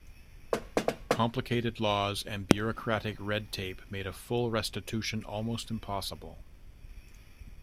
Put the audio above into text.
Complicated laws and bureaucratic red tape made a full restitution almost impossible.